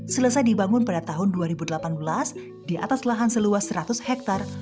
selesai dibangun pada tahun dua ribu delapan belas di atas lahan seluas seratus hektare